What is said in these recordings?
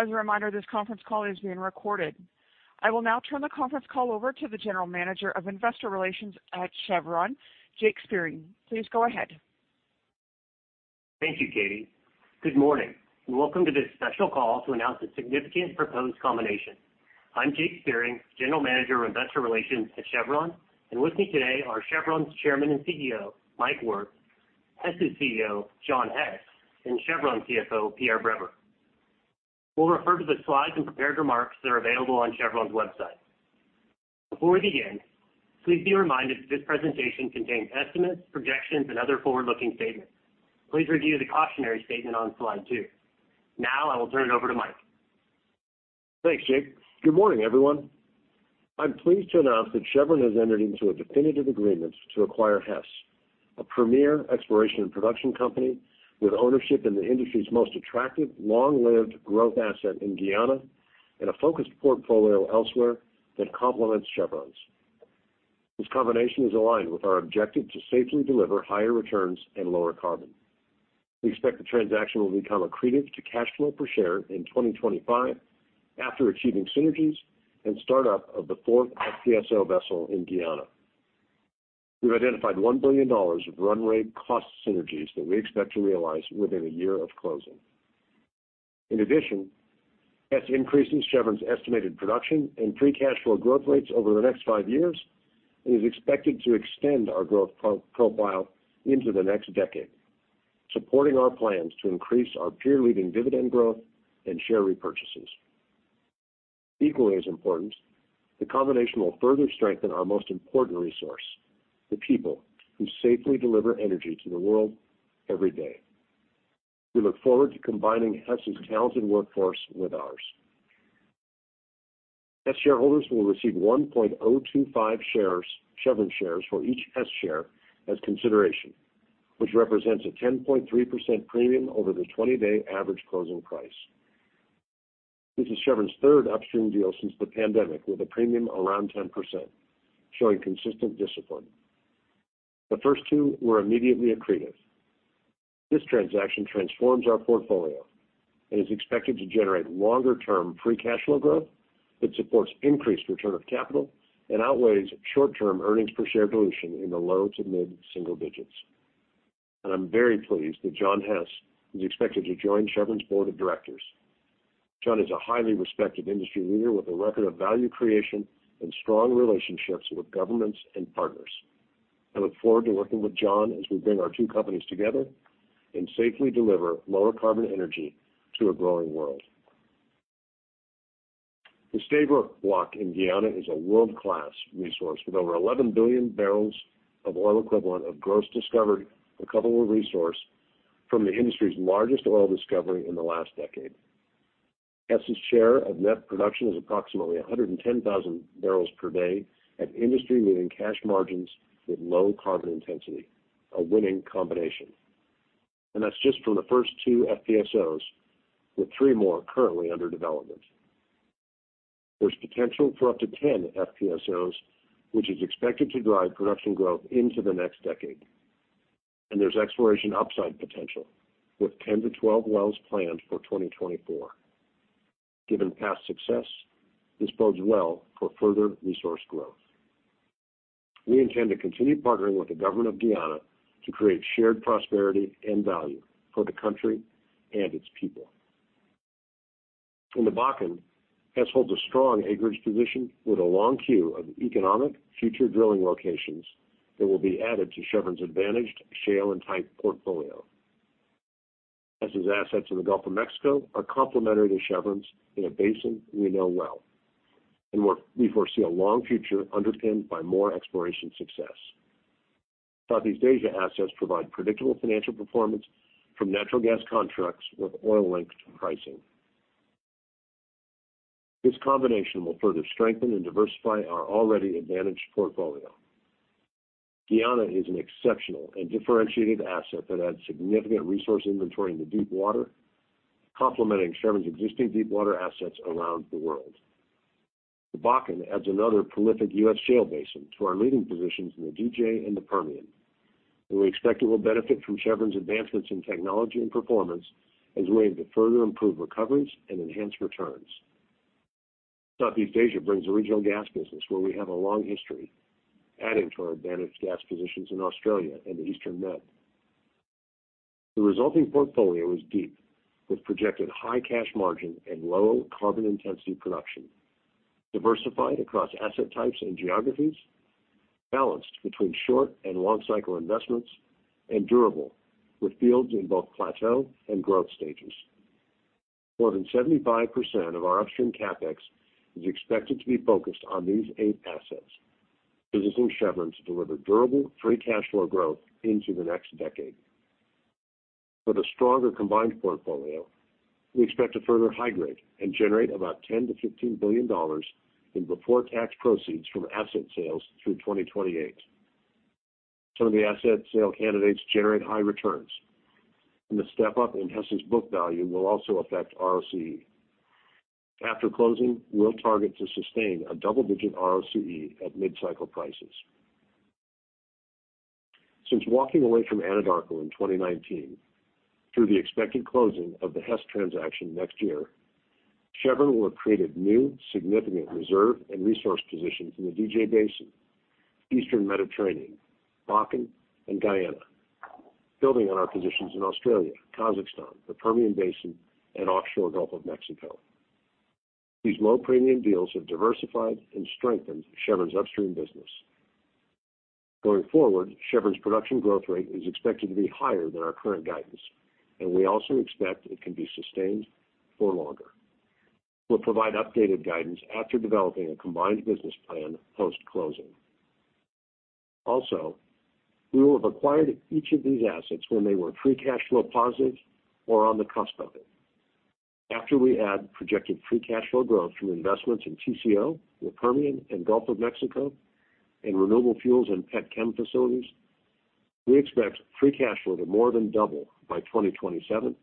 As a reminder, this conference call is being recorded. I will now turn the conference call over to the General Manager of Investor Relations at Chevron, Jake Spiering. Please go ahead. Thank you, Katie. Good morning, and welcome to this special call to announce a significant proposed combination. I'm Jake Spiering, General Manager of Investor Relations at Chevron, and with me today are Chevron's Chairman and CEO, Mike Wirth, Hess' CEO, John Hess, and Chevron CFO, Pierre Breber. We'll refer to the slides and prepared remarks that are available on Chevron's website. Before we begin, please be reminded that this presentation contains estimates, projections, and other forward-looking statements. Please review the cautionary statement on slide two. Now I will turn it over to Mike. Thanks, Jake. Good morning, everyone. I'm pleased to announce that Chevron has entered into a definitive agreement to acquire Hess, a premier exploration and production company with ownership in the industry's most attractive, long-lived growth asset in Guyana and a focused portfolio elsewhere that complements Chevron's. This combination is aligned with our objective to safely deliver higher returns and lower carbon. We expect the transaction will become accretive to cash flow per share in 2025, after achieving synergies and start up of the fourth FPSO vessel in Guyana. We've identified $1 billion of run rate cost synergies that we expect to realize within a year of closing. In addition, Hess increases Chevron's estimated production and free cash flow growth rates over the next 5 years, and is expected to extend our growth profile into the next decade, supporting our plans to increase our peer-leading dividend growth and share repurchases. Equally as important, the combination will further strengthen our most important resource, the people, who safely deliver energy to the world every day. We look forward to combining Hess' talented workforce with ours. Hess shareholders will receive 1.25 Chevron shares for each Hess share as consideration, which represents a 10.3% premium over the 20-day average closing price. This is Chevron's third upstream deal since the pandemic, with a premium around 10%, showing consistent discipline. The first two were immediately accretive. This transaction transforms our portfolio and is expected to generate longer-term free cash flow growth that supports increased return of capital and outweighs short-term earnings per share dilution in the low to mid-single digits. I'm very pleased that John Hess is expected to join Chevron's board of directors. John is a highly respected industry leader with a record of value creation and strong relationships with governments and partners. I look forward to working with John as we bring our two companies together and safely deliver lower carbon energy to a growing world. The Stabroek Block in Guyana is a world-class resource with over 11 billion barrels of oil equivalent of gross discovered recoverable resource from the industry's largest oil discovery in the last decade. Hess' share of net production is approximately 110,000 barrels per day at industry-leading cash margins with low carbon intensity, a winning combination. And that's just from the first two FPSOs, with three more currently under development. There's potential for up to 10 FPSOs, which is expected to drive production growth into the next decade. And there's exploration upside potential, with 10-12 wells planned for 2024. Given past success, this bodes well for further resource growth. We intend to continue partnering with the government of Guyana to create shared prosperity and value for the country and its people. In the Bakken, Hess holds a strong acreage position with a long inventory of economic future drilling locations that will be added to Chevron's advantaged shale and tight portfolio. Hess' assets in the Gulf of Mexico are complementary to Chevron's in a basin we know well, and we foresee a long future underpinned by more exploration success. Southeast Asia assets provide predictable financial performance from natural gas contracts with oil-linked pricing. This combination will further strengthen and diversify our already advantaged portfolio. Guyana is an exceptional and differentiated asset that adds significant resource inventory in the deepwater, complementing Chevron's existing deepwater assets around the world. The Bakken adds another prolific U.S. shale basin to our leading positions in the DJ and the Permian, and we expect it will benefit from Chevron's advancements in technology and performance as ways to further improve recoveries and enhance returns. Southeast Asia brings a regional gas business where we have a long history, adding to our advantaged gas positions in Australia and the Eastern Med. The resulting portfolio is deep, with projected high cash margin and low carbon intensity production, diversified across asset types and geographies, balanced between short and long cycle investments, and durable, with fields in both plateau and growth stages. More than 75% of our upstream CapEx is expected to be focused on these eight assets, positioning Chevron to deliver durable free cash flow growth into the next decade. With a stronger combined portfolio, we expect to further high-grade and generate about $10 billion-$15 billion in before-tax proceeds from asset sales through 2028. Some of the asset sale candidates generate high returns, and the step up in Hess' book value will also affect ROCE. After closing, we'll target to sustain a double-digit ROCE at mid-cycle prices. Since walking away from Anadarko in 2019, through the expected closing of the Hess transaction next year, Chevron will have created new significant reserve and resource positions in the DJ Basin, Eastern Mediterranean, Bakken, and Guyana, building on our positions in Australia, Kazakhstan, the Permian Basin, and Offshore Gulf of Mexico. These low-premium deals have diversified and strengthened Chevron's upstream business. Going forward, Chevron's production growth rate is expected to be higher than our current guidance, and we also expect it can be sustained for longer. We'll provide updated guidance after developing a combined business plan post-closing. Also, we will have acquired each of these assets when they were free-cash-flow positive or on the cusp of it. After we add projected free cash flow growth from investments in TCO, the Permian, and Gulf of Mexico, and renewable fuels and petchem facilities, we expect free cash flow to more than double by 2027,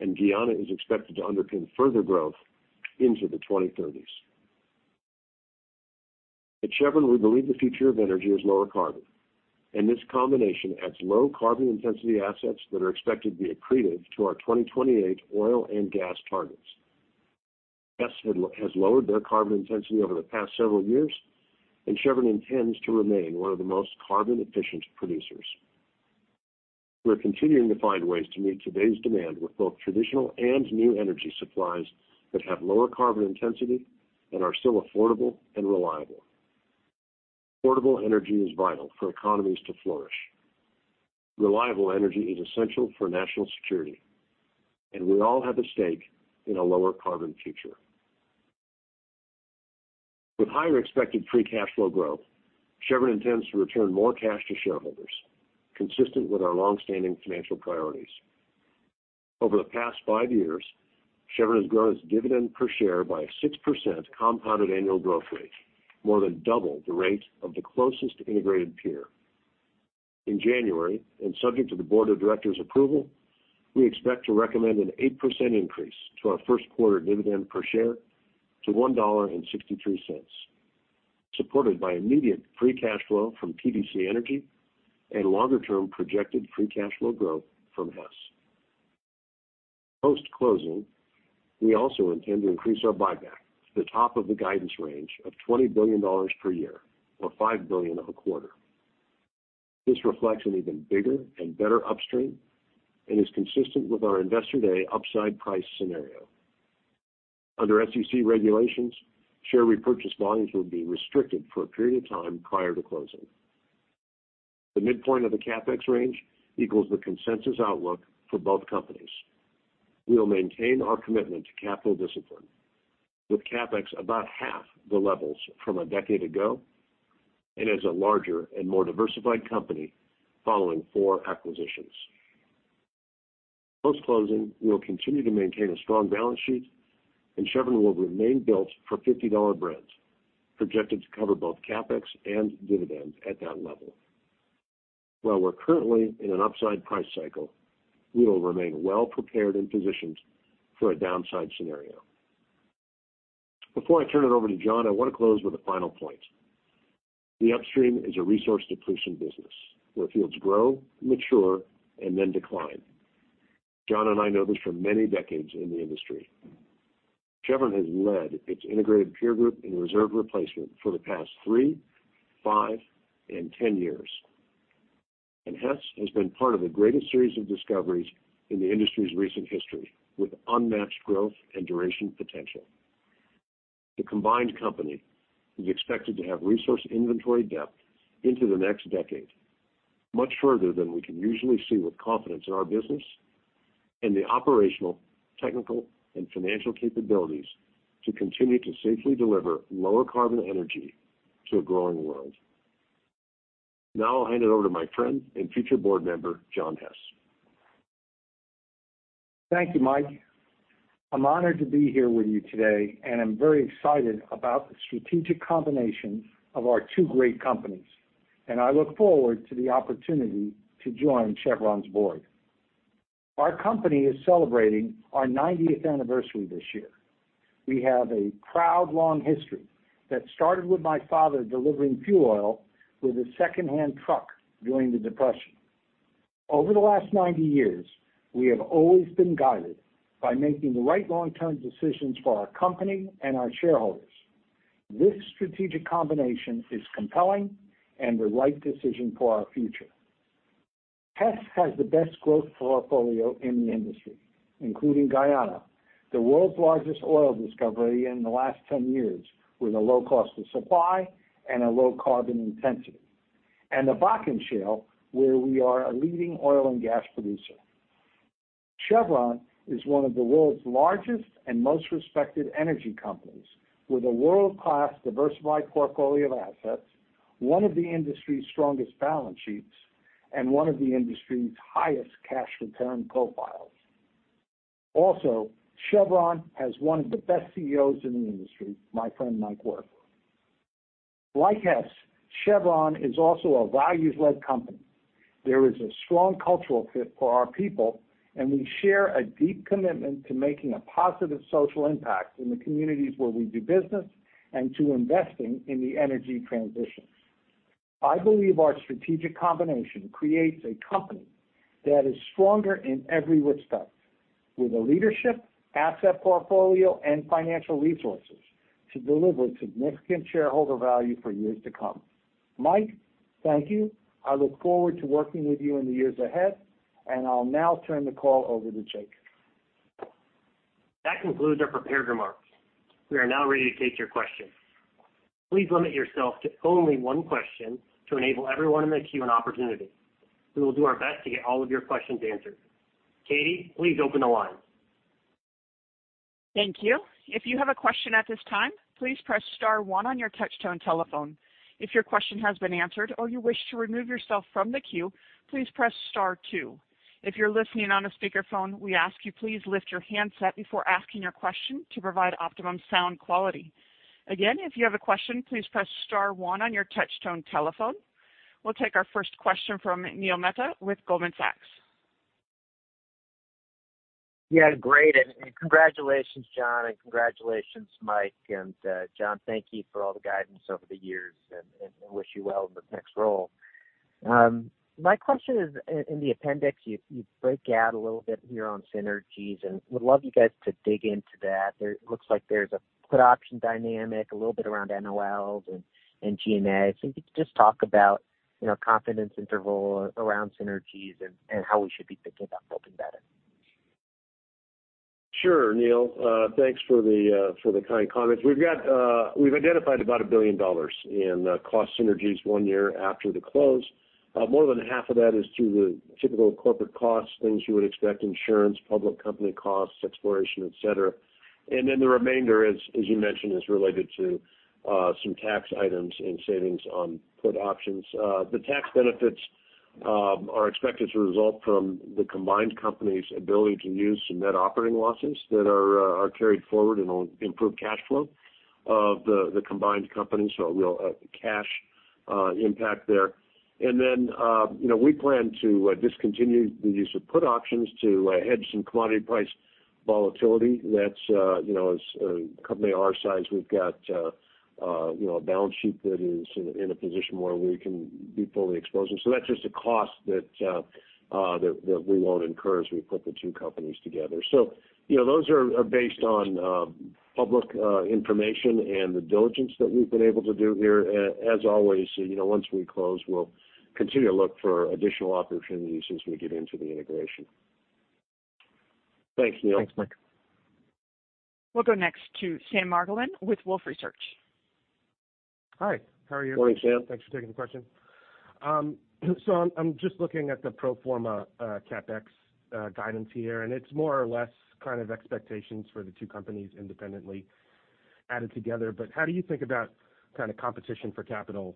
and Guyana is expected to underpin further growth into the 2030s. At Chevron, we believe the future of energy is lower carbon, and this combination adds low carbon intensity assets that are expected to be accretive to our 2028 oil and gas targets. Hess has lowered their carbon intensity over the past several years, and Chevron intends to remain one of the most carbon-efficient producers. We're continuing to find ways to meet today's demand with both traditional and new energy supplies that have lower carbon intensity and are still affordable and reliable. Affordable energy is vital for economies to flourish. Reliable energy is essential for national security, and we all have a stake in a lower carbon future. With higher expected free cash flow growth, Chevron intends to return more cash to shareholders, consistent with our long-standing financial priorities. Over the past 5 years, Chevron has grown its dividend per share by a 6% compounded annual growth rate, more than double the rate of the closest integrated peer. In January, and subject to the board of directors' approval, we expect to recommend an 8% increase to our first quarter dividend per share to $1.63, supported by immediate free cash flow from PDC Energy and longer-term projected free cash flow growth from Hess. Post-closing, we also intend to increase our buyback to the top of the guidance range of $20 billion per year, or $5 billion a quarter. This reflects an even bigger and better upstream and is consistent with our Investor Day upside price scenario. Under SEC regulations, share repurchase volumes will be restricted for a period of time prior to closing. The midpoint of the CapEx range equals the consensus outlook for both companies. We will maintain our commitment to capital discipline, with CapEx about half the levels from a decade ago and as a larger and more diversified company following 4 acquisitions. Post-closing, we will continue to maintain a strong balance sheet, and Chevron will remain built for $50 Brent, projected to cover both CapEx and dividends at that level. While we're currently in an upside price cycle, we will remain well prepared and positioned for a downside scenario. Before I turn it over to John, I want to close with a final point. The upstream is a resource depletion business, where fields grow, mature, and then decline. John and I know this from many decades in the industry. Chevron has led its integrated peer group in reserve replacement for the past 3, 5, and 10 years, and Hess has been part of the greatest series of discoveries in the industry's recent history, with unmatched growth and duration potential. The combined company is expected to have resource inventory depth into the next decade, much further than we can usually see with confidence in our business, and the operational, technical, and financial capabilities to continue to safely deliver lower carbon energy to a growing world. Now I'll hand it over to my friend and future board member, John Hess. Thank you, Mike. I'm honored to be here with you today, and I'm very excited about the strategic combination of our two great companies, and I look forward to the opportunity to join Chevron's board. Our company is celebrating our 90th anniversary this year. We have a proud, long history that started with my father delivering fuel oil with a secondhand truck during the Depression. Over the last 90 years, we have always been guided by making the right long-term decisions for our company and our shareholders. This strategic combination is compelling and the right decision for our future. Hess has the best growth portfolio in the industry, including Guyana, the world's largest oil discovery in the last 10 years, with a low cost of supply and a low carbon intensity, and the Bakken Shale, where we are a leading oil and gas producer. Chevron is one of the world's largest and most respected energy companies, with a world-class diversified portfolio of assets, one of the industry's strongest balance sheets, and one of the industry's highest cash return profiles. Also, Chevron has one of the best CEOs in the industry, my friend Mike Wirth. Like Hess, Chevron is also a values-led company. There is a strong cultural fit for our people, and we share a deep commitment to making a positive social impact in the communities where we do business and to investing in the energy transition.... I believe our strategic combination creates a company that is stronger in every respect, with the leadership, asset portfolio, and financial resources to deliver significant shareholder value for years to come. Mike, thank you. I look forward to working with you in the years ahead, and I'll now turn the call over to Jake. That concludes our prepared remarks. We are now ready to take your questions. Please limit yourself to only one question to enable everyone in the queue an opportunity. We will do our best to get all of your questions answered. Katie, please open the line. Thank you. If you have a question at this time, please press star one on your touchtone telephone. If your question has been answered or you wish to remove yourself from the queue, please press star two. If you're listening on a speakerphone, we ask you please lift your handset before asking your question to provide optimum sound quality. Again, if you have a question, please press star one on your touchtone telephone. We'll take our first question from Neil Mehta with Goldman Sachs. Yeah, great, and congratulations, John, and congratulations, Mike. And, John, thank you for all the guidance over the years and I wish you well in the next role. My question is, in the appendix, you break out a little bit here on synergies, and would love you guys to dig into that. There looks like there's a put option dynamic, a little bit around NOLs and G&A. So if you could just talk about, you know, confidence interval around synergies and how we should be thinking about building that in. Sure, Neil. Thanks for the kind comments. We've got, we've identified about $1 billion in cost synergies one year after the close. More than half of that is through the typical corporate costs, things you would expect, insurance, public company costs, exploration, et cetera. And then the remainder, as you mentioned, is related to some tax items and savings on put options. The tax benefits are expected to result from the combined company's ability to use some net operating losses that are carried forward and will improve cash flow of the combined company, so a real cash impact there. And then, you know, we plan to discontinue the use of put options to hedge some commodity price volatility. That's, you know, as a company our size, we've got, you know, a balance sheet that is in a, in a position where we can be fully exposed. So that's just a cost that, that we won't incur as we put the two companies together. So, you know, those are, are based on, public, information and the diligence that we've been able to do here. As always, you know, once we close, we'll continue to look for additional opportunities as we get into the integration. Thanks, Neil. Thanks, Mike. We'll go next to Sam Margolin with Wolfe Research. Hi, how are you? Morning, Sam. Thanks for taking the question. So I'm just looking at the pro forma CapEx guidance here, and it's more or less kind of expectations for the two companies independently added together. But how do you think about kind of competition for capital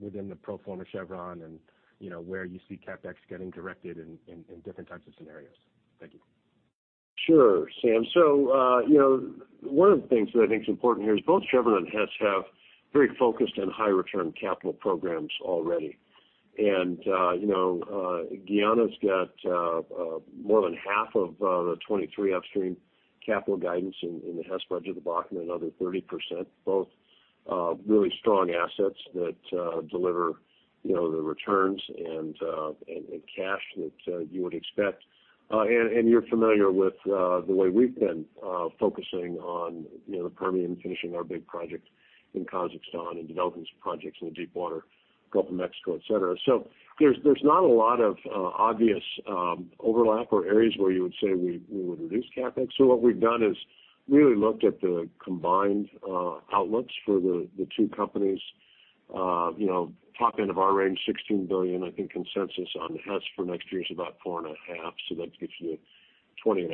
within the pro forma Chevron and, you know, where you see CapEx getting directed in different types of scenarios? Thank you. Sure, Sam. So, you know, one of the things that I think is important here is both Chevron and Hess have very focused on high return capital programs already. And, you know, Guyana's got more than half of the 23 upstream capital guidance in the Hess budget, the Bakken, another 30%, both really strong assets that deliver, you know, the returns and cash that you would expect. And you're familiar with the way we've been focusing on, you know, the Permian, finishing our big project in Kazakhstan and developing some projects in the deepwater, Gulf of Mexico, et cetera. So there's not a lot of obvious overlap or areas where you would say we would reduce CapEx. So what we've done is really looked at the combined outlets for the two companies. You know, top end of our range, $16 billion. I think consensus on Hess for next year is about $4.5 billion, so that gives you $20.5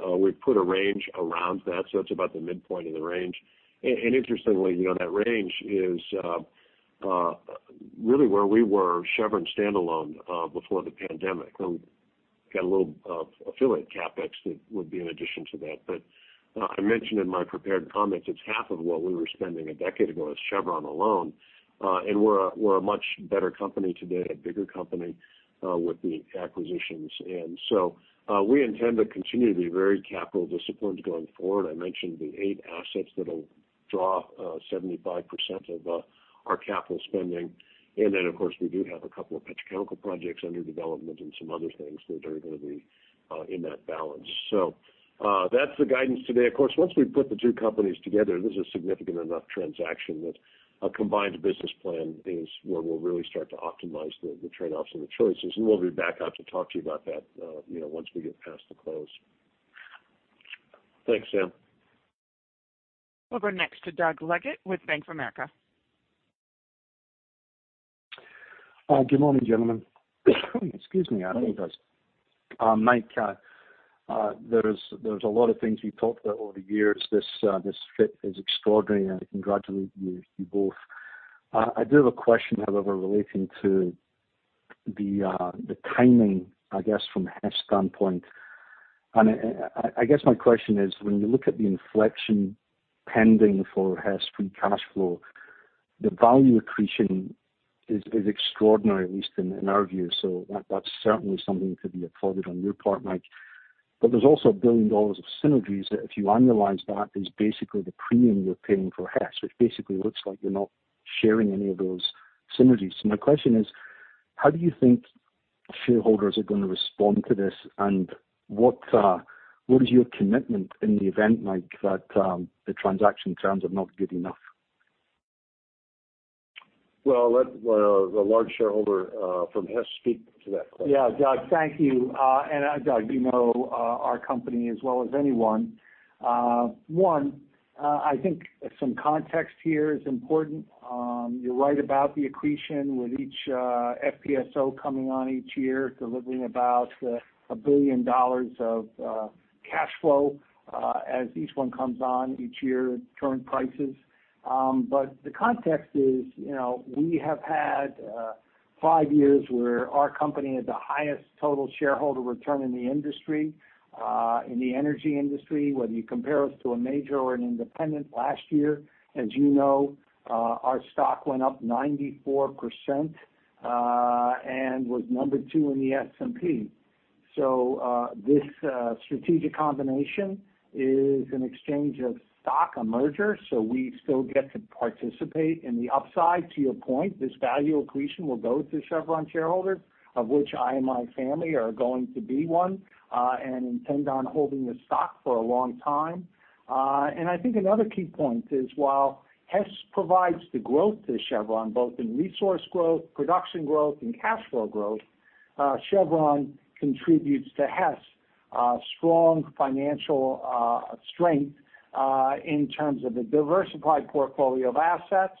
billion. We've put a range around that, so that's about the midpoint of the range. And interestingly, you know, that range is really where we were Chevron standalone before the pandemic. And got a little affiliate CapEx that would be in addition to that. But I mentioned in my prepared comments, it's half of what we were spending a decade ago as Chevron alone. And we're a much better company today, a bigger company with the acquisitions. And so we intend to continue to be very capital disciplined going forward. I mentioned the 8 assets that'll draw 75% of our capital spending. And then, of course, we do have a couple of petrochemical projects under development and some other things that are gonna be in that balance. So, that's the guidance today. Of course, once we put the two companies together, this is a significant enough transaction that a combined business plan is where we'll really start to optimize the trade-offs and the choices, and we'll be back out to talk to you about that, you know, once we get past the close. Thanks, Sam. We'll go next to Doug Leggate with Bank of America. Good morning, gentlemen. Excuse me, I need this. Mike, there's a lot of things we've talked about over the years. This fit is extraordinary, and I congratulate you both. I do have a question, however, relating to the timing, I guess, from Hess' standpoint. And I guess my question is, when you look at the inflection pending for Hess free cash flow, the value accretion is extraordinary, at least in our view. So that, that's certainly something to be applauded on your part, Mike. But there's also $1 billion of synergies that if you annualize that, is basically the premium you're paying for Hess, which basically looks like you're not sharing any of those synergies. So my question is, how do you think shareholders are gonna respond to this, and what is your commitment in the event, Mike, that the transaction terms are not good enough? Well, let the large shareholder from Hess speak to that question. Yeah, Doug, thank you. And, Doug, you know, our company as well as anyone. One, I think some context here is important. You're right about the accretion with each FPSO coming on each year, delivering about $1 billion of cash flow as each one comes on each year at current prices. But the context is, you know, we have had 5 years where our company had the highest total shareholder return in the industry, in the energy industry, whether you compare us to a major or an independent. Last year, as you know, our stock went up 94% and was number 2 in the S&P. So, this strategic combination is an exchange of stock, a merger, so we still get to participate in the upside. To your point, this value accretion will go to Chevron shareholders, of which I and my family are going to be one, and intend on holding the stock for a long time. And I think another key point is, while Hess provides the growth to Chevron, both in resource growth, production growth, and cash flow growth, Chevron contributes to Hess strong financial strength, in terms of a diversified portfolio of assets,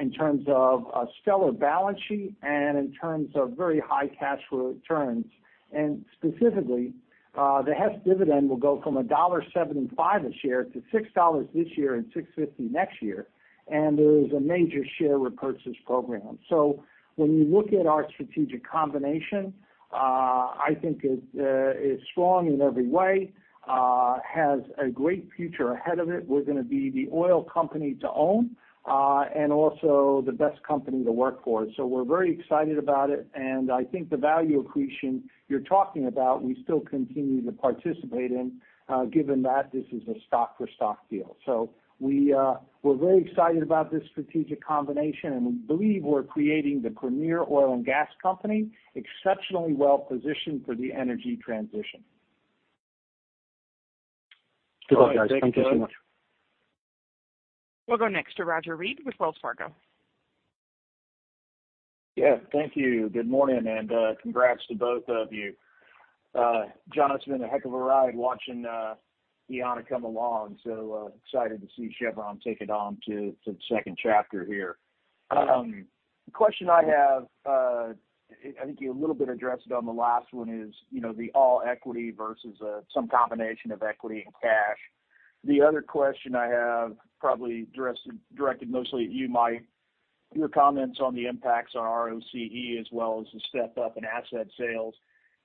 in terms of a stellar balance sheet, and in terms of very high cash flow returns. And specifically, the Hess dividend will go from $1.75 a share to $6 this year and $6.50 next year, and there is a major share repurchase program. So when you look at our strategic combination, I think it is strong in every way, has a great future ahead of it. We're gonna be the oil company to own, and also the best company to work for. So we're very excited about it, and I think the value accretion you're talking about, we still continue to participate in, given that this is a stock-for-stock deal. So we, we're very excited about this strategic combination, and we believe we're creating the premier oil and gas company, exceptionally well positioned for the energy transition. Good, guys. Thank you so much. Thanks, Doug. We'll go next to Roger Read with Wells Fargo. Yeah, thank you. Good morning, and, congrats to both of you. John, it's been a heck of a ride watching, Ian come along, so, excited to see Chevron take it on to, to the second chapter here. The question I have, I think you a little bit addressed on the last one, is, you know, the all equity versus, some combination of equity and cash. The other question I have probably addressed—directed mostly at you, Mike, your comments on the impacts on ROCE, as well as the step-up in asset sales.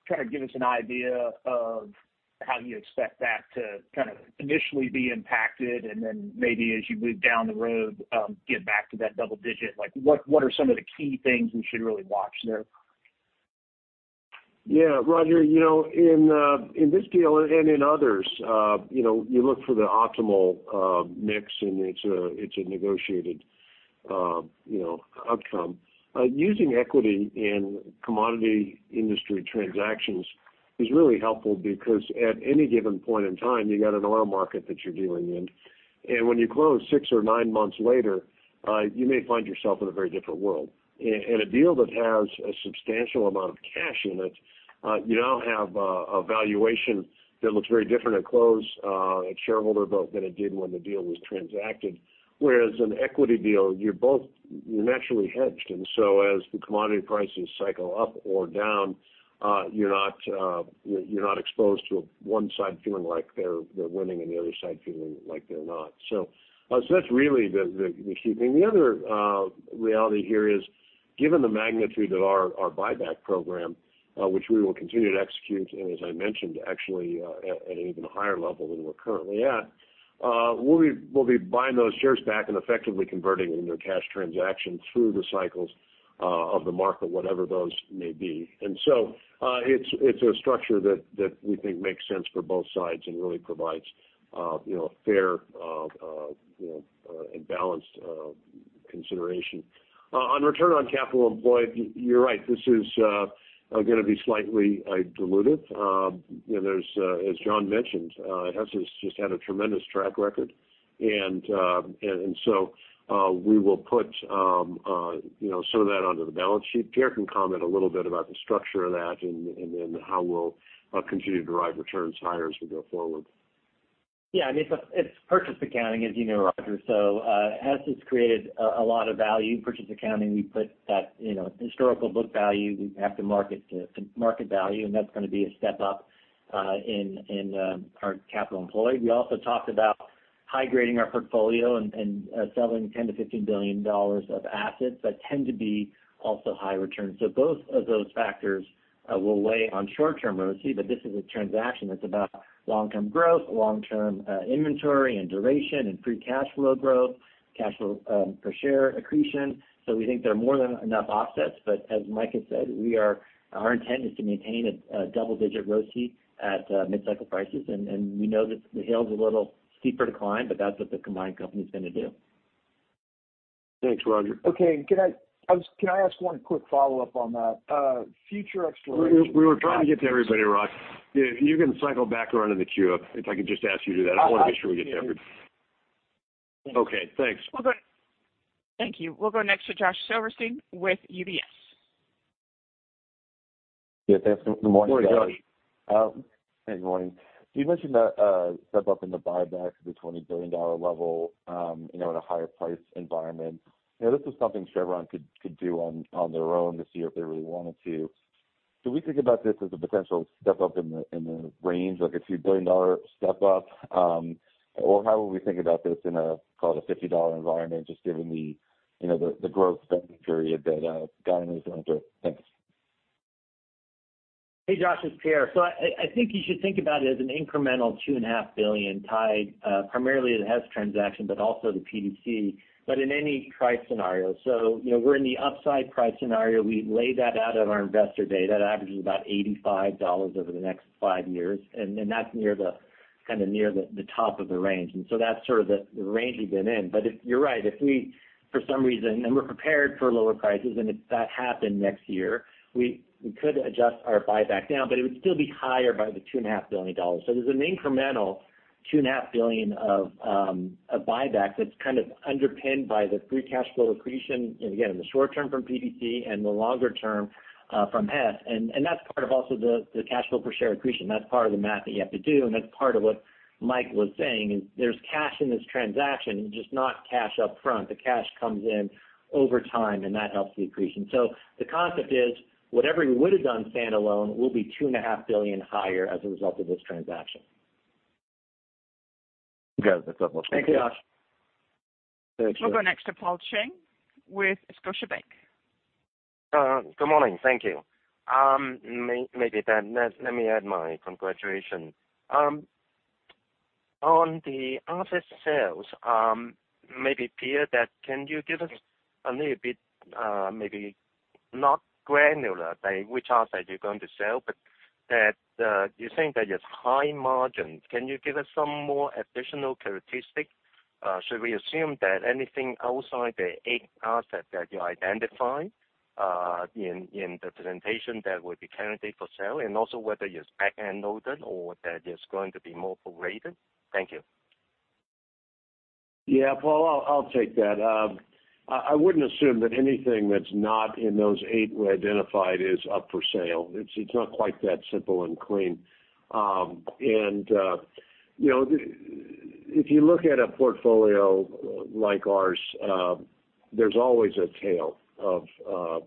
Kind of give us an idea of how you expect that to kind of initially be impacted, and then maybe as you move down the road, get back to that double digit. Like, what, what are some of the key things we should really watch there? Yeah, Roger, you know, in this deal and in others, you know, you look for the optimal mix, and it's a, it's a negotiated, you know, outcome. Using equity in commodity industry transactions is really helpful because at any given point in time, you got an oil market that you're dealing in. And when you close six or nine months later, you may find yourself in a very different world. In a deal that has a substantial amount of cash in it, you now have a valuation that looks very different at close, at shareholder vote, than it did when the deal was transacted. Whereas an equity deal, you're both naturally hedged, and so as the commodity prices cycle up or down, you're not exposed to one side feeling like they're winning and the other side feeling like they're not. So that's really the key thing. The other reality here is, given the magnitude of our buyback program, which we will continue to execute, and as I mentioned, actually at an even higher level than we're currently at, we'll be buying those shares back and effectively converting them into a cash transaction through the cycles of the market, whatever those may be. And so it's a structure that we think makes sense for both sides and really provides you know fair and balanced consideration. On Return on Capital Employed, you're right, this is gonna be slightly diluted. You know, there's, as John mentioned, Hess has just had a tremendous track record. And so, we will put, you know, some of that onto the balance sheet. Pierre can comment a little bit about the structure of that and then how we'll continue to derive returns higher as we go forward. Yeah, I mean, it's purchase accounting, as you know, Roger. So, Hess has created a lot of value. Purchase accounting, we put that, you know, historical book value, we have to market to market value, and that's gonna be a step up in our capital employed. We also talked about high-grading our portfolio and selling $10-$15 billion of assets that tend to be also high return. So both of those factors will weigh on short-term ROCE, but this is a transaction that's about-... long-term growth, long-term inventory and duration and free cash flow growth, cash flow per share accretion. So we think there are more than enough offsets. But as Mike has said, we are, our intent is to maintain a double-digit growth rate at mid-cycle prices, and we know that the hill is a little steeper to climb, but that's what the combined company is gonna do. Thanks, Roger. Okay. Can I ask one quick follow-up on that? Future exploration- We were trying to get to everybody, Roger. You can cycle back around in the queue, if I could just ask you to do that. I wanna make sure we get to everybody. Okay, thanks. We'll go... Thank you. We'll go next to Josh Silverstein with UBS. Yeah, thanks. Good morning. Good morning, Josh. Hey, good morning. You mentioned that step up in the buyback to the $20 billion level, you know, at a higher price environment. You know, this is something Chevron could do on their own to see if they really wanted to. Do we think about this as a potential step up in the range, like a $2 billion step up? Or how would we think about this in a, call it a $50 environment, just given the, you know, the growth spending period that Guyana is going through? Thanks. Hey, Josh, it's Pierre. So I think you should think about it as an incremental $2.5 billion tied primarily to the Hess transaction, but also the PDC, but in any price scenario. So you know, we're in the upside price scenario. We laid that out at our investor day. That averages about $85 over the next 5 years, and then that's near the, kind of near the top of the range. And so that's sort of the range we've been in. But if... You're right. If we, for some reason, and we're prepared for lower prices, and if that happened next year, we could adjust our buyback down, but it would still be higher by the $2.5 billion. So there's an incremental $2.5 billion of a buyback that's kind of underpinned by the free cash flow accretion, and again, in the short term from PDC and the longer term from Hess. And, and that's part of also the, the cash flow per share accretion. That's part of the math that you have to do, and that's part of what Mike was saying, is there's cash in this transaction, just not cash upfront. The cash comes in over time, and that helps the accretion. So the concept is, whatever we would have done standalone will be $2.5 billion higher as a result of this transaction. Got it. That's helpful. Thank you, Josh. Thank you. We'll go next to Paul Cheng with Scotiabank. Good morning. Thank you. Maybe then let me add my congratulations. On the asset sales, maybe, Pierre, can you give us a little bit, maybe not granular, by which asset you're going to sell, but that, you're saying that it's high margin. Can you give us some more additional characteristics? Should we assume that anything outside the 8 assets that you identified, in the presentation, that would be candidate for sale, and also whether it's back-end loaded or that it's going to be more operated? Thank you. Yeah, Paul, I'll take that. I wouldn't assume that anything that's not in those eight we identified is up for sale. It's not quite that simple and clean. You know, if you look at a portfolio like ours, there's always a tail of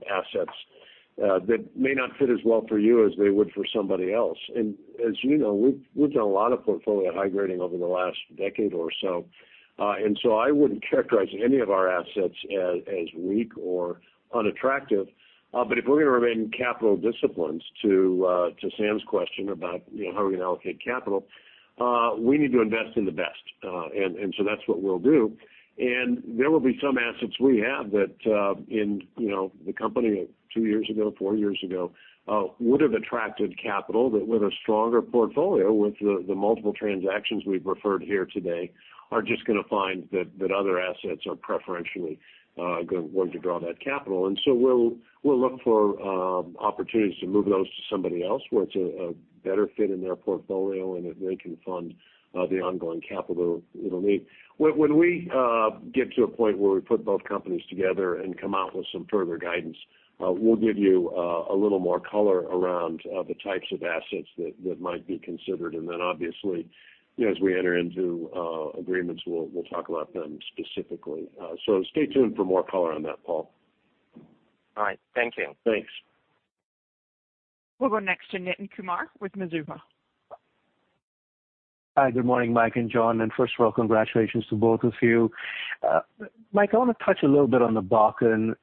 assets that may not fit as well for you as they would for somebody else. And as you know, we've done a lot of portfolio high grading over the last decade or so. I wouldn't characterize any of our assets as weak or unattractive. But if we're gonna remain capital disciplined, to Sam's question about, you know, how are we gonna allocate capital, we need to invest in the best, and so that's what we'll do. There will be some assets we have that, you know, the company two years ago, four years ago, would have attracted capital, that with a stronger portfolio, with the multiple transactions we've referred here today, are just gonna find that other assets are preferentially going to draw that capital. So we'll look for opportunities to move those to somebody else, where it's a better fit in their portfolio, and that they can fund the ongoing capital it'll need. When we get to a point where we put both companies together and come out with some further guidance, we'll give you a little more color around the types of assets that might be considered. And then, obviously, you know, as we enter into agreements, we'll talk about them specifically. So stay tuned for more color on that, Paul. All right. Thank you. Thanks. We'll go next to Nitin Kumar with Mizuho. Hi, good morning, Mike and John, and first of all, congratulations to both of you. Mike, I want to touch a little bit on the Bakken.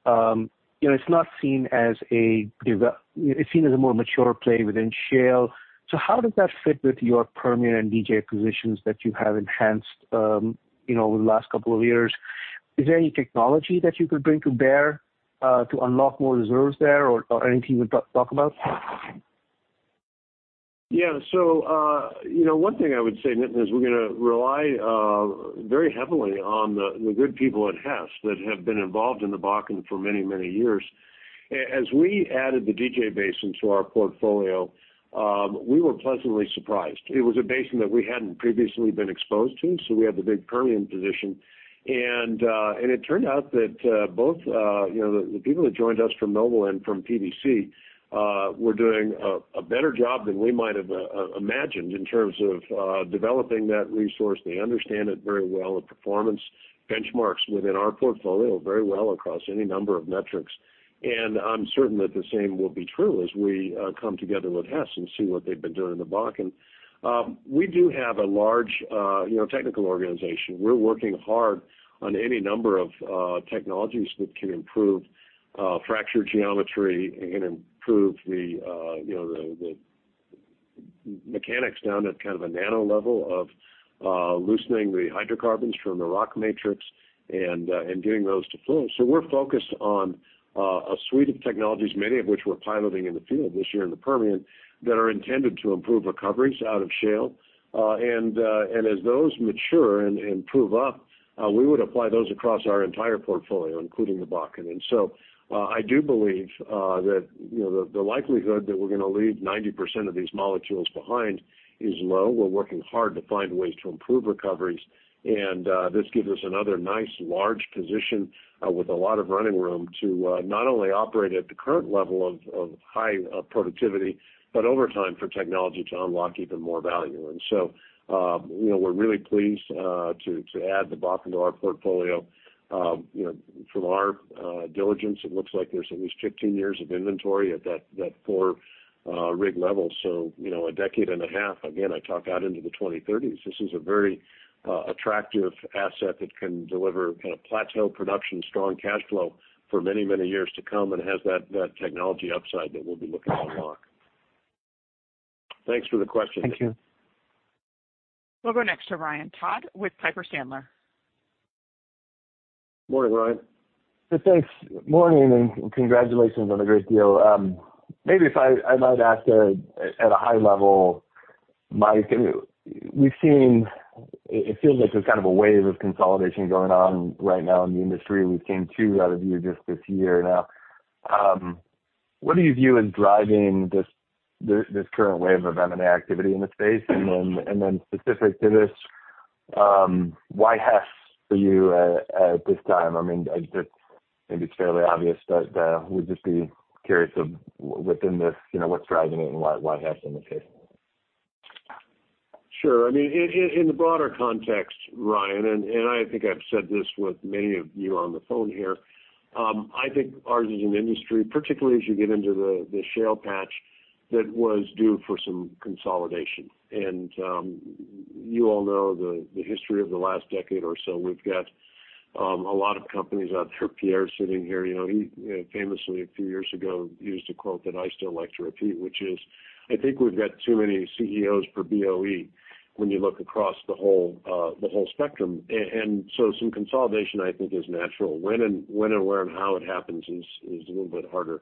You know, it's not seen as developing. It's seen as a more mature play within shale. So how does that fit with your Permian and DJ positions that you have enhanced, you know, over the last couple of years? Is there any technology that you could bring to bear to unlock more reserves there or anything you would talk about? Yeah. So, you know, one thing I would say, Niten, is we're gonna rely very heavily on the good people at Hess that have been involved in the Bakken for many, many years. As we added the DJ Basin to our portfolio, we were pleasantly surprised. It was a basin that we hadn't previously been exposed to, so we had the big Permian position. And it turned out that, you know, the people that joined us from Noble and from PDC were doing a better job than we might have imagined in terms of developing that resource. They understand it very well. The performance benchmarks within our portfolio are very well across any number of metrics. I'm certain that the same will be true as we come together with Hess and see what they've been doing in the Bakken. We do have a large, you know, technical organization. We're working hard on any number of technologies that can improve fracture geometry and improve the, you know, the mechanics down at kind of a nano-level of loosening the hydrocarbons from the rock matrix and getting those to flow. So we're focused on a suite of technologies, many of which we're piloting in the field this year in the Permian, that are intended to improve recoveries out of shale. And as those mature and prove up, we would apply those across our entire portfolio, including the Bakken. And so, I do believe that, you know, the likelihood that we're gonna leave 90% of these molecules behind is low. We're working hard to find ways to improve recoveries, and this gives us another nice, large position with a lot of running room to not only operate at the current level of high productivity, but over time, for technology to unlock even more value. And so, you know, we're really pleased to add the Bakken to our portfolio. You know, from our diligence, it looks like there's at least 15 years of inventory at that 4 rig level. So, you know, a decade and a half, again, I talk out into the 2030s. This is a very, attractive asset that can deliver kind of plateau-production, strong cash flow for many, many years to come, and has that, that technology upside that we'll be looking to unlock. Thanks for the question. Thank you. We'll go next to Ryan Todd with Piper Sandler. Morning, Ryan. Thanks. Morning, and congratulations on a great deal. Maybe if I might ask, at a high level, Mike, we've seen it feels like there's kind of a wave of consolidation going on right now in the industry. We've seen two out of you just this year now. What do you view in driving this current wave of M&A activity in the space? And then specific to this, why Hess for you at this time? I mean, I just maybe it's fairly obvious, but, we'd just be curious of, within this, you know, what's driving it and why Hess in this case? Sure. I mean, in the broader context, Ryan, and I think I've said this with many of you on the phone here, I think ours is an industry, particularly as you get into the shale patch, that was due for some consolidation. And you all know the history of the last decade or so. We've got a lot of companies out there. Pierre sitting here, you know, he famously, a few years ago, used a quote that I still like to repeat, which is, "I think we've got too many CEOs per BOE," when you look across the whole spectrum. And so some consolidation, I think, is natural. When and where and how it happens is a little bit harder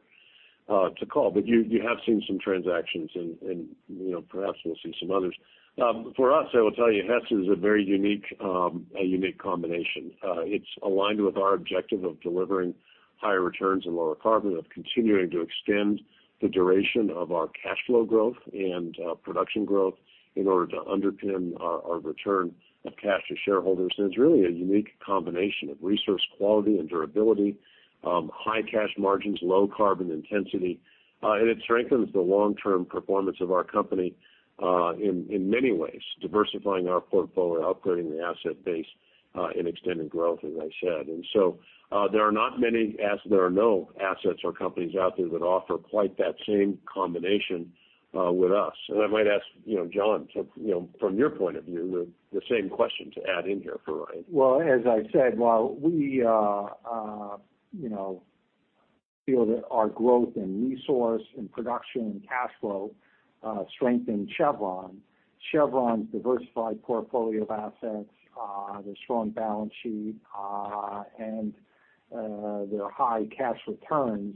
to call. But you, you have seen some transactions and, and, you know, perhaps we'll see some others. For us, I will tell you, Hess is a very unique, a unique combination. It's aligned with our objective of delivering higher returns and lower carbon, of continuing to extend the duration of our cash flow growth and, production growth in order to underpin our, our return of cash to shareholders. And it's really a unique combination of resource quality and durability, high cash margins, low carbon intensity, and it strengthens the long-term performance of our company, in, in many ways, diversifying our portfolio, upgrading the asset base, and extending growth, as I said. And so, there are no assets or companies out there that offer quite that same combination, with us. I might ask, you know, John, you know, from your point of view, the same question to add in here for Ryan. Well, as I said, while we, you know, feel that our growth in resource and production and cash flow strengthen Chevron, Chevron's diversified portfolio of assets, their strong balance sheet, and their high cash returns,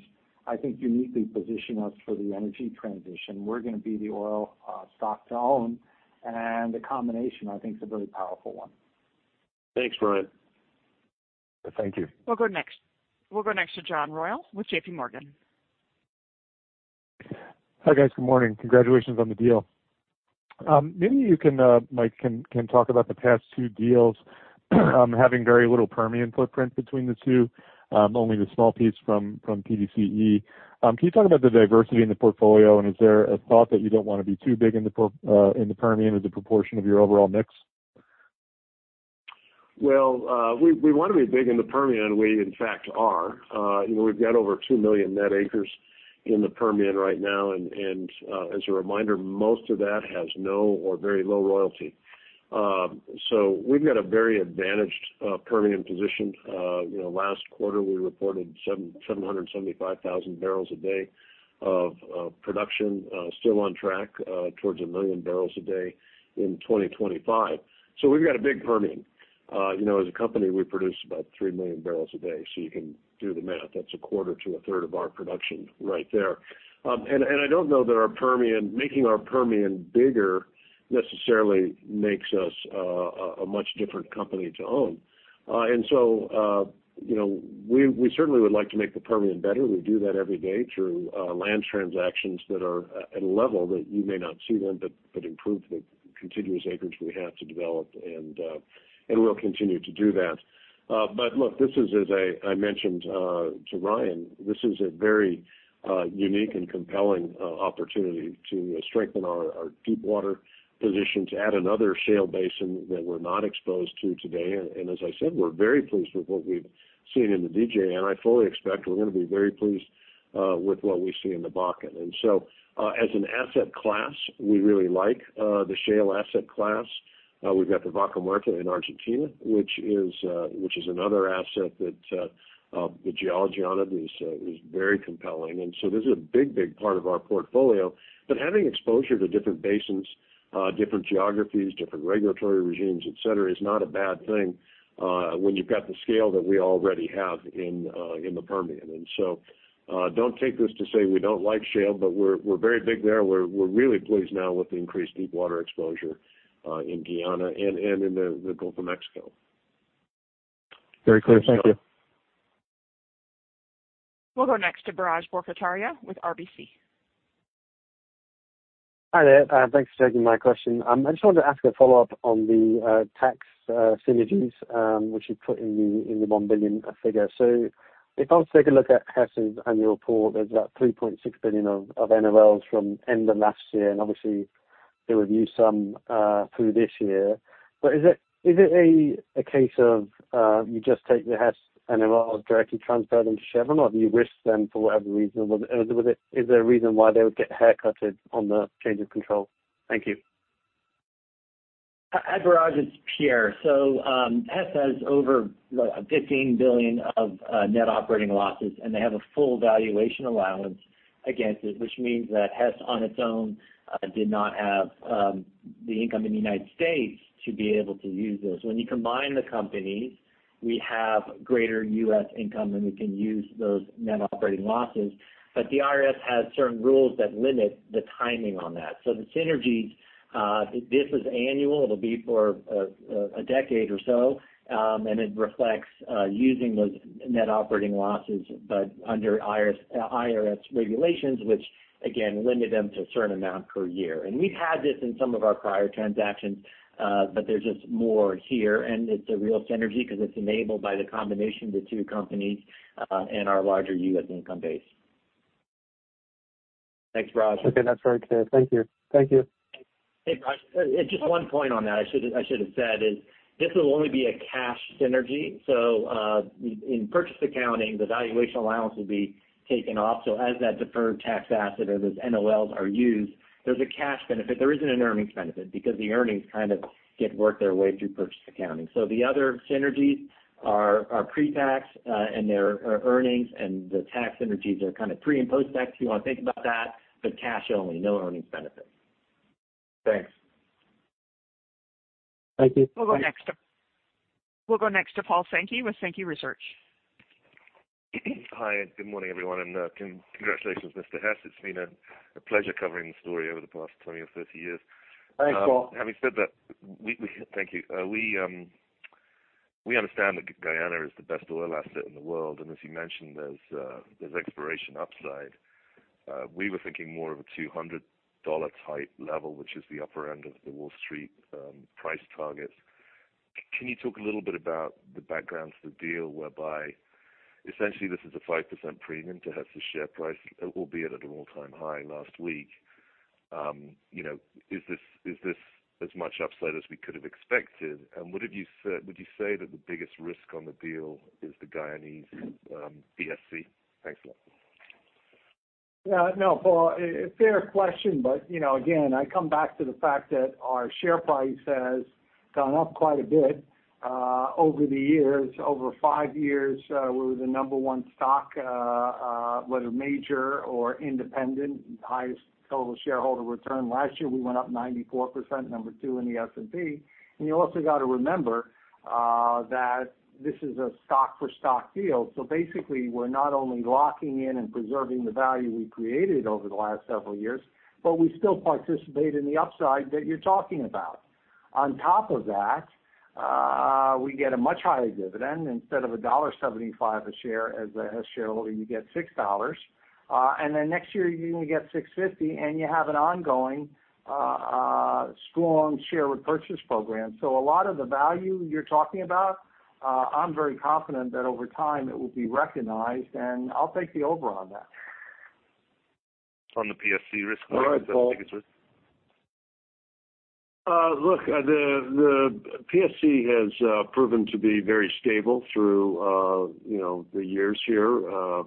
I think uniquely position us for the energy transition. We're gonna be the oil stock to own, and the combination, I think, is a very powerful one. Thanks, Ryan. Thank you. We'll go next to John Royal with JPMorgan. Hi, guys. Good morning. Congratulations on the deal. Maybe you can, Mike, can talk about the past two deals, having very little Permian footprint between the two, only the small piece from PDC. Can you talk about the diversity in the portfolio, and is there a thought that you don't want to be too big in the Permian as a proportion of your overall mix? Well, we want to be big in the Permian. We, in fact, are. You know, we've got over 2 million net acres in the Permian right now, and, as a reminder, most of that has no or very low royalty. So we've got a very advantaged Permian position. You know, last quarter, we reported 775,000 barrels a day of production, still on track towards 1 million barrels a day in 2025. So we've got a big Permian. You know, as a company, we produce about 3 million barrels a day, so you can do the math. That's a quarter to a third of our production right there. And I don't know that our Permian, making our Permian bigger necessarily makes us a much different company to own. And so, you know, we, we certainly would like to make the Permian better. We do that every day through land transactions that are at a level that you may not see them, but, but improve the contiguous acreage we have to develop, and, and we'll continue to do that. But look, this is, as I, I mentioned, to Ryan, this is a very unique and compelling opportunity to strengthen our, our deepwater position, to add another shale basin that we're not exposed to today. And, and as I said, we're very pleased with what we've seen in the DJ, and I fully expect we're going to be very pleased with what we see in the Bakken. And so, as an asset class, we really like the shale asset class.... we've got the Vaca Muerta in Argentina, which is another asset that the geology on it is very compelling. And so this is a big, big part of our portfolio. But having exposure to different basins, different geographies, different regulatory regimes, et cetera, is not a bad thing, when you've got the scale that we already have in the Permian. And so, don't take this to say we don't like shale, but we're very big there. We're really pleased now with the increased deepwater exposure in Guyana and in the Gulf of Mexico. Very clear. Thank you. We'll go next to Biraj Borkhataria with RBC. Hi there, thanks for taking my question. I just wanted to ask a follow-up on the tax synergies, which you put in the $1 billion figure. So if I was to take a look at Hess's annual report, there's about $3.6 billion of NOLs from end of last year, and obviously, they reviewed some through this year. But is it a case of you just take the Hess NOL directly transfer them to Chevron, or do you risk them for whatever reason? Or was it -- is there a reason why they would get haircutted on the change of control? Thank you. Hi, Biraj, it's Pierre. So, Hess has over $15 billion of net operating losses, and they have a full valuation allowance against it, which means that Hess, on its own, did not have the income in the United States to be able to use those. When you combine the companies, we have greater U.S. income, and we can use those net operating losses. But the IRS has certain rules that limit the timing on that. So the synergies, this is annual. It'll be for a decade or so, and it reflects using those net operating losses, but under IRS regulations, which, again, limited them to a certain amount per year. We've had this in some of our prior transactions, but there's just more here, and it's a real synergy because it's enabled by the combination of the two companies, and our larger U.S. income base. Thanks, Biraj. Okay, that's very clear. Thank you. Thank you. Hey, Biraj, just one point on that I should, I should have said is this will only be a cash synergy, so, in purchase accounting, the valuation allowance will be taken off. So as that deferred tax asset or those NOLs are used, there's a cash benefit. There isn't an earnings benefit because the earnings kind of get worked their way through purchase accounting. So the other synergies are, are pre-tax, and they're earnings, and the tax synergies are kind of pre- and post-tax, if you want to think about that, but cash only, no earnings benefit. Thanks. Thank you. We'll go next to Paul Sankey with Sankey Research. Hi, good morning, everyone, and congratulations, Mr. Hess. It's been a pleasure covering the story over the past 20 or 30 years. Thanks, Paul. Having said that, we thank you. We understand that Guyana is the best oil asset in the world, and as you mentioned, there's exploration upside. We were thinking more of a $200 type level, which is the upper end of the Wall Street price target. Can you talk a little bit about the background to the deal, whereby essentially this is a 5% premium to Hess's share price, albeit at an all-time high last week? You know, is this as much upside as we could have expected? And would you say that the biggest risk on the deal is the Guyanese PSC? Thanks a lot. Yeah. No, Paul, a fair question, but, you know, again, I come back to the fact that our share price has gone up quite a bit, over the years. Over 5 years, we were the number one stock, whether major or independent, highest total shareholder return. Last year, we went up 94%, number two in the S&P. And you also got to remember, that this is a stock-for-stock deal. So basically, we're not only locking in and preserving the value we created over the last several years, but we still participate in the upside that you're talking about. On top of that, we get a much higher dividend. Instead of $1.75 a share as a shareholder, you get $6. And then next year, you're going to get $6.50, and you have an ongoing strong share repurchase program. So a lot of the value you're talking about, I'm very confident that over time, it will be recognized, and I'll take the over on that. On the PSC risk? All right, Paul. The biggest risk. Look, the PSC has proven to be very stable through, you know, the years here. You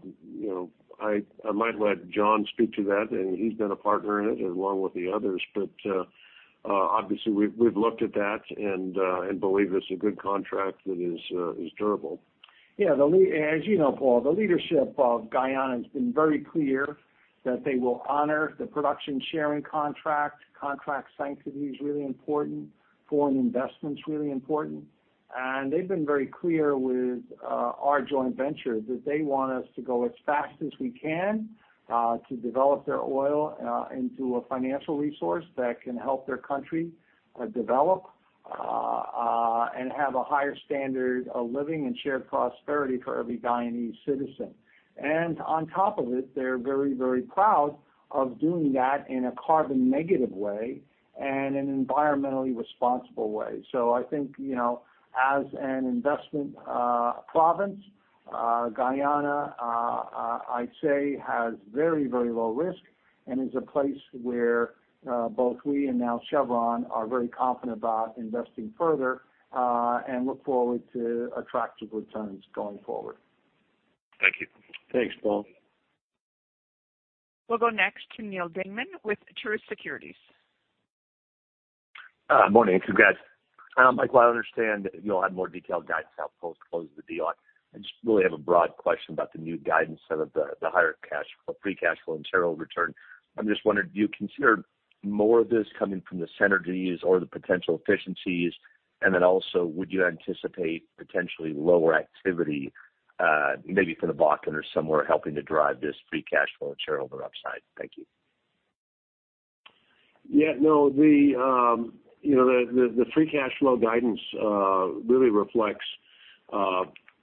know, I might let John speak to that, and he's been a partner in it, along with the others. But obviously, we've looked at that and believe it's a good contract that is durable. Yeah, as you know, Paul, the leadership of Guyana has been very clear that they will honor the production sharing contract. Contract sanctity is really important. Foreign investment's really important. And they've been very clear with our joint venture that they want us to go as fast as we can to develop their oil into a financial resource that can help their country develop and have a higher standard of living and shared prosperity for every Guyanese citizen. On top of it, they're very, very proud of doing that in a carbon-negative way and an environmentally responsible way. I think, you know, as an investment province, Guyana, I'd say, has very, very low risk and is a place where both we and now Chevron are very confident about investing further, and look forward to attractive returns going forward. Thank you. Thanks, Paul. We'll go next to Neil Dingman with Truist Securities. Morning, congrats. Mike, while I understand you'll have more detailed guidance out post close of the deal, I just really have a broad question about the new guidance set of the higher cash or free cash flow and shareholder return. I'm just wondering, do you consider more of this coming from the synergies or the potential efficiencies? And then also, would you anticipate potentially lower activity, maybe from the Bakken or somewhere helping to drive this free cash flow and shareholder upside? Thank you. Yeah, no, you know, the free cash flow guidance really reflects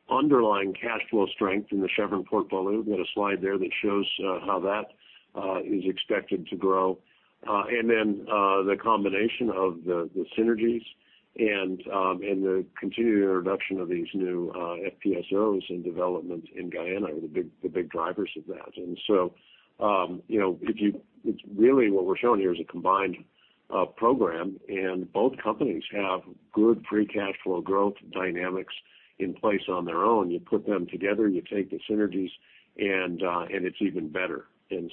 underlying cash flow strength in the Chevron portfolio. We've got a slide there that shows how that is expected to grow. And then the combination of the synergies and the continued introduction of these new FPSOs in development in Guyana are the big drivers of that. And so, you know, really, what we're showing here is a combined program, and both companies have good free cash flow growth dynamics in place on their own. You put them together, you take the synergies, and it's even better.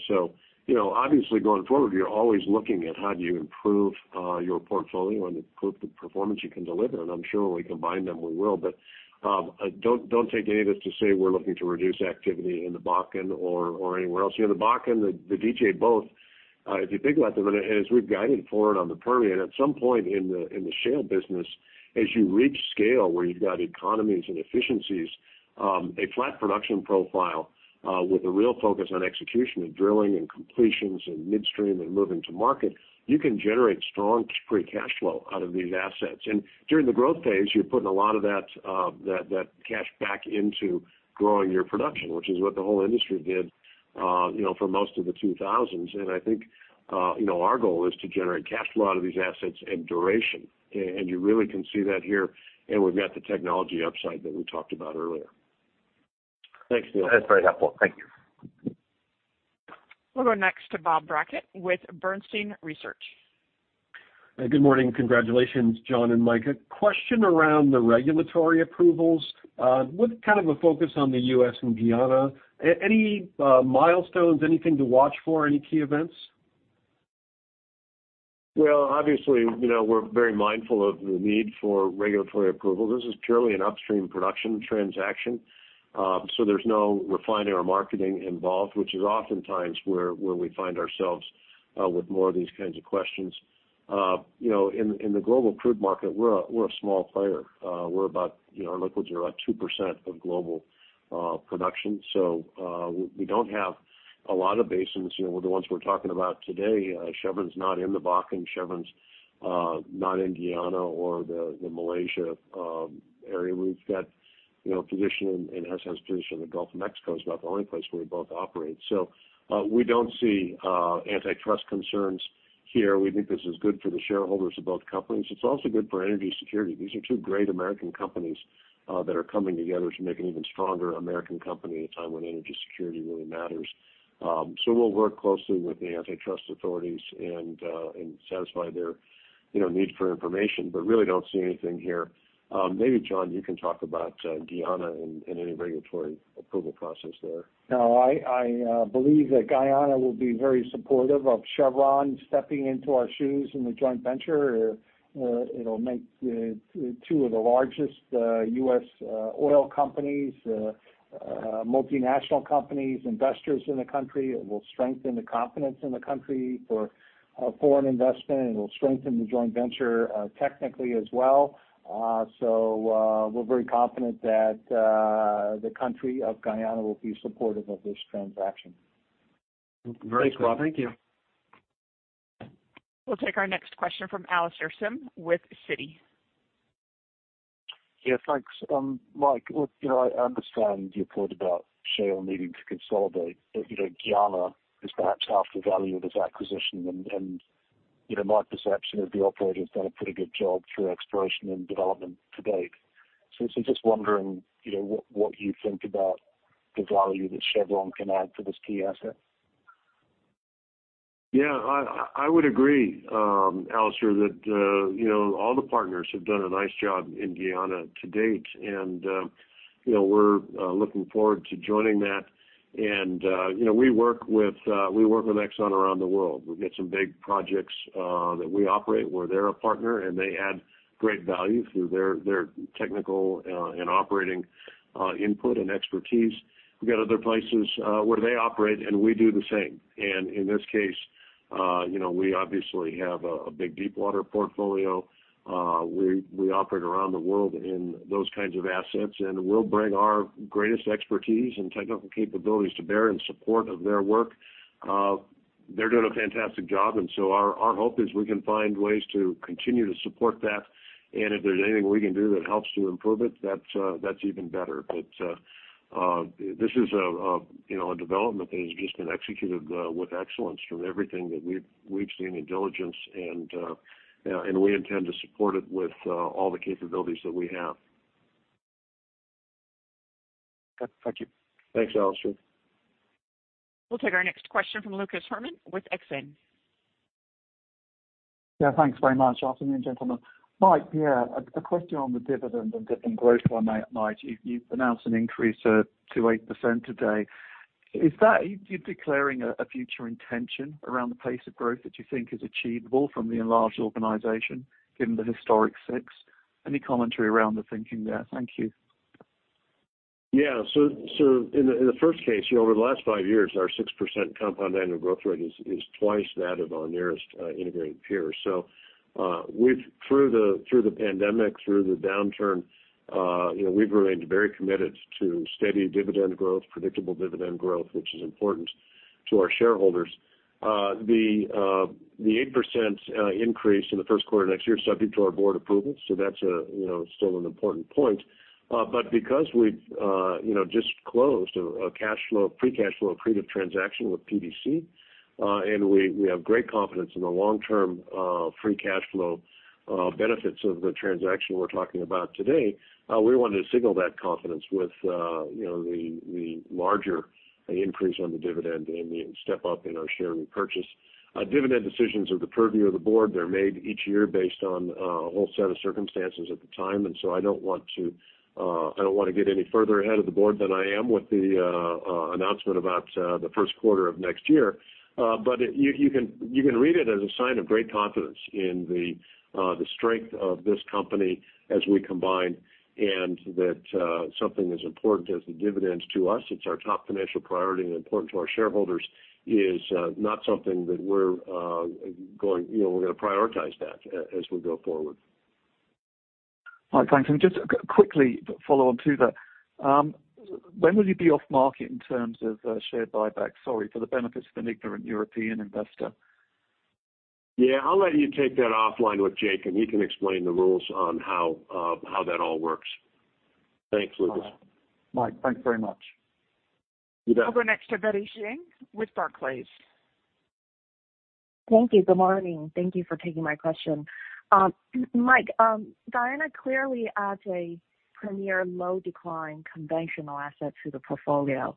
So, you know, obviously, going forward, you're always looking at how do you improve your portfolio and improve the performance you can deliver, and I'm sure when we combine them, we will. But don't, don't take any of this to say we're looking to reduce activity in the Bakken or anywhere else. You know, the Bakken, the DJ both, if you think about them, and as we've guided forward on the Permian, at some point in the shale business, as you reach scale where you've got economies and efficiencies, a flat production profile, with a real focus on execution and drilling and completions and midstream and moving to market, you can generate strong free cash flow out of these assets. During the growth phase, you're putting a lot of that cash back into growing your production, which is what the whole industry did, you know, for most of the 2000s. I think, you know, our goal is to generate cash flow out of these assets and duration. You really can see that here, and we've got the technology upside that we talked about earlier. Thanks, Neil. That's very helpful. Thank you. We'll go next to Bob Brackett with Bernstein Research. Good morning. Congratulations, John and Mike. A question around the regulatory approvals, with kind of a focus on the U.S. and Guyana. Any milestones, anything to watch for, any key events? Well, obviously, you know, we're very mindful of the need for regulatory approval. This is purely an upstream production transaction, so there's no refinery or marketing involved, which is oftentimes where, where we find ourselves with more of these kinds of questions. You know, in, in the global crude market, we're a, we're a small player. We're about, you know, our liquids are about 2% of global production. So, we, we don't have a lot of basins. You know, the ones we're talking about today, Chevron's not in the Bakken, Chevron's not in Guyana or the Malaysia area. We've got, you know, position in, and Hess has position in the Gulf of Mexico is about the only place where we both operate. So, we don't see antitrust concerns here. We think this is good for the shareholders of both companies. It's also good for energy security. These are two great American companies that are coming together to make an even stronger American company at a time when energy security really matters. So we'll work closely with the antitrust authorities and satisfy their, you know, need for information, but really don't see anything here. Maybe, John, you can talk about Guyana and any regulatory approval process there. No, I believe that Guyana will be very supportive of Chevron stepping into our shoes in the joint venture. It'll make the two of the largest U.S. oil companies, multinational companies, investors in the country. It will strengthen the confidence in the country for foreign investment, and it will strengthen the joint venture technically as well. So, we're very confident that the country of Guyana will be supportive of this transaction. Very good. Thank you. We'll take our next question from Alastair Syme with Citi. Yeah, thanks. Mike, look, you know, I understand your point about shale needing to consolidate, but, you know, Guyana is perhaps half the value of this acquisition, and, you know, my perception is the operator has done a pretty good job through exploration and development to date. So I was just wondering, you know, what you think about the value that Chevron can add to this key asset? Yeah, I would agree, Alastair, that you know, all the partners have done a nice job in Guyana to date, and you know, we're looking forward to joining that. And you know, we work with Exxon around the world. We've got some big projects that we operate where they're a partner, and they add great value through their technical and operating input and expertise. We've got other places where they operate, and we do the same. And in this case you know, we obviously have a big deepwater portfolio. We operate around the world in those kinds of assets, and we'll bring our greatest expertise and technical capabilities to bear in support of their work. They're doing a fantastic job, and so our hope is we can find ways to continue to support that, and if there's anything we can do that helps to improve it, that's even better. But this is, you know, a development that has just been executed with excellence from everything that we've seen in diligence, and, you know, and we intend to support it with all the capabilities that we have. Good. Thank you. Thanks, Alastair. We'll take our next question from Lucas Herrmann with Exane.... Yeah, thanks very much. Afternoon, gentlemen. Mike, yeah, a question on the dividend and dividend growth. You've announced an increase to 8% today. Is that you declaring a future intention around the pace of growth that you think is achievable from the enlarged organization, given the historic 6%? Any commentary around the thinking there? Thank you. Yeah. So in the first case, you know, over the last five years, our 6% compound annual growth rate is twice that of our nearest integrated peer. So we've through the pandemic, through the downturn, you know, we've remained very committed to steady dividend growth, predictable dividend growth, which is important to our shareholders. The 8% increase in the first quarter next year, subject to our board approval, so that's, you know, still an important point. But because we've, you know, just closed a cash flow, free cash flow, accretive transaction with PDC, and we have great confidence in the long-term, free cash flow benefits of the transaction we're talking about today, we wanted to signal that confidence with, you know, the larger increase on the dividend and the step up in our share repurchase. Dividend decisions are the purview of the board. They're made each year based on a whole set of circumstances at the time, and so I don't want to, I don't want to get any further ahead of the board than I am with the announcement about the first quarter of next year. But you can read it as a sign of great confidence in the strength of this company as we combine, and that something as important as the dividends to us, it's our top financial priority and important to our shareholders, is not something that we're going, you know, we're gonna prioritize that as we go forward. All right, thanks. And just quickly follow on to that. When will you be off market in terms of share buybacks? Sorry, for the benefit of an ignorant European investor. Yeah, I'll let you take that offline with Jake, and he can explain the rules on how that all works. Thanks, Lucas. All right. Mike, thanks very much. You bet. We'll go next to Betty Jiang with Barclays. Thank you. Good morning. Thank you for taking my question. Mike, Hess clearly adds a premier low-decline conventional asset to the portfolio.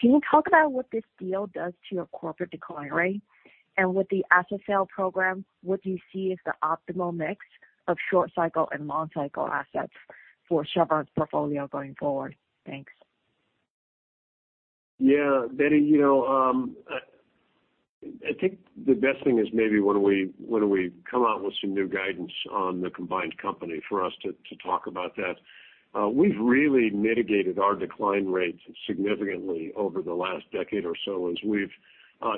Can you talk about what this deal does to your corporate decline rate? And with the asset sale program, what do you see as the optimal mix of short-cycle and long-cycle assets for Chevron's portfolio going forward? Thanks. Yeah, Betty, you know, I think the best thing is maybe when we come out with some new guidance on the combined company for us to talk about that. We've really mitigated our decline rates significantly over the last decade or so, as we've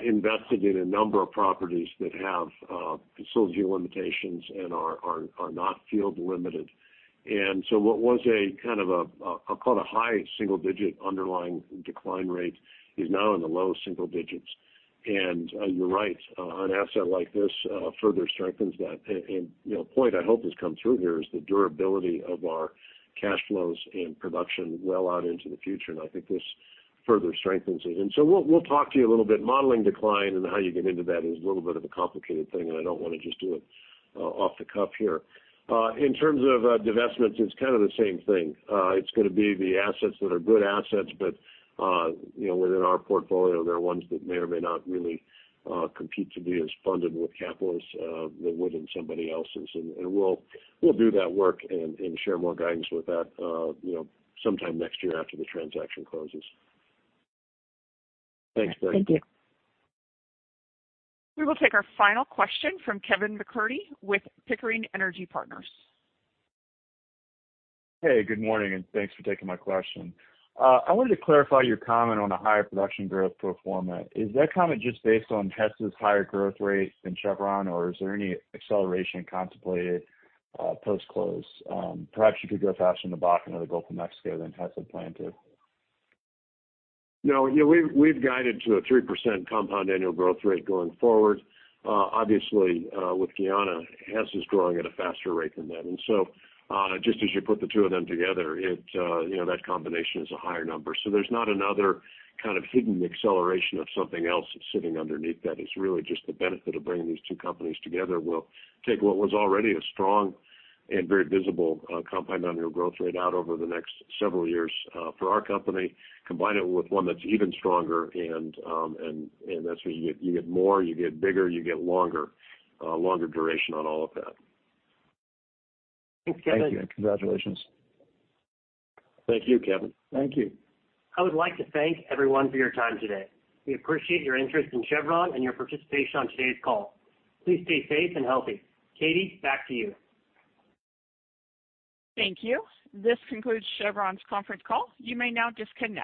invested in a number of properties that have facility limitations and are not field limited. And so what was a kind of a, I'll call it a high single-digit underlying decline rate, is now in the low single digits. And, you're right, an asset like this further strengthens that. And, you know, a point I hope has come through here is the durability of our cash flows and production well out into the future, and I think this further strengthens it. And so we'll talk to you a little bit. Modeling decline and how you get into that is a little bit of a complicated thing, and I don't wanna just do it off the cuff here. In terms of divestments, it's kind of the same thing. It's gonna be the assets that are good assets, but you know, within our portfolio, there are ones that may or may not really compete to be as funded with capital as they would in somebody else's. And we'll do that work and share more guidance with that, you know, sometime next year after the transaction closes. Thanks, Betty. Thank you. We will take our final question from Kevin MacCurdy with Pickering Energy Partners. Hey, good morning, and thanks for taking my question. I wanted to clarify your comment on the higher production growth pro forma. Is that comment just based on Hess's higher growth rate than Chevron, or is there any acceleration contemplated, post-close? Perhaps you could grow faster in the Bakken or the Gulf of Mexico than Hess had planned to. No, you know, we've guided to a 3% compound annual growth rate going forward. Obviously, with Guyana, Hess is growing at a faster rate than that. And so, just as you put the two of them together, it, you know, that combination is a higher number. So there's not another kind of hidden acceleration of something else that's sitting underneath that. It's really just the benefit of bringing these two companies together. We'll take what was already a strong and very visible, compound annual growth rate out over the next several years, for our company, combine it with one that's even stronger, and that's where you get, you get more, you get bigger, you get longer, longer duration on all of that. Thanks, Kevin. Thank you, and congratulations. Thank you, Kevin. Thank you. I would like to thank everyone for your time today. We appreciate your interest in Chevron and your participation on today's call. Please stay safe and healthy. Katie, back to you. Thank you. This concludes Chevron's conference call. You may now disconnect.